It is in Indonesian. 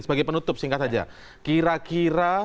sebagai penutup singkat saja kira kira